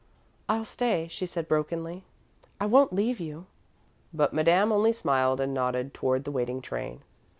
"I'll stay," she said, brokenly; "I won't leave you." But Madame only smiled, and nodded toward the waiting train.